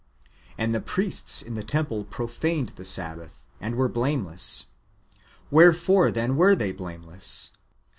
^ And the priests in the temple profaned the Sabbath, and were blameless. Where fore, then, were they blameless